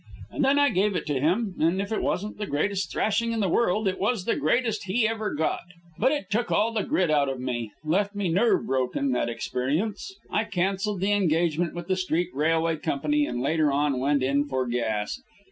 And then I gave it to him, and if it wasn't the greatest thrashing in the world, it was the greatest he ever got. But it took all the grit out of me, left me nerve broken, that experience. I canceled the engagement with the street railway company, and later on went in for gas.